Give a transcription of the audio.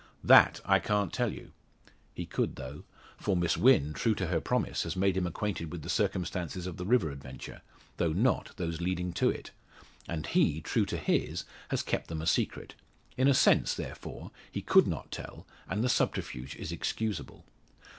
"That I can't tell you." He could though; for Miss Wynn, true to her promise, has made him acquainted with the circumstances of the river adventure, though not those leading to it; and he, true to his, has kept them a secret. In a sense therefore, he could not tell, and the subterfuge is excusable.